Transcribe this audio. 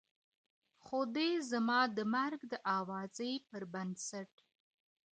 خو دې زما د مرګ د اوازې پر بنسټ